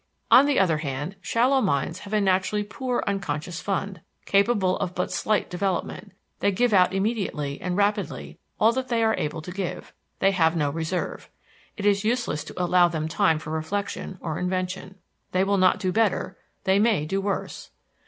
On the other hand, shallow minds have a naturally poor unconscious fund, capable of but slight development; they give out immediately and rapidly all that they are able to give; they have no reserve. It is useless to allow them time for reflection or invention. They will not do better; they may do worse.